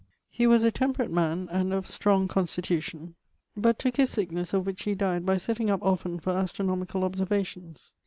He was a temperate man and of strong constitution, but tooke his sicknesse of which he dyed by setting up often for astronomicall observations.